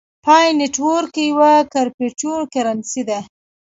پای نیټورک یوه کریپټو کرنسۍ ده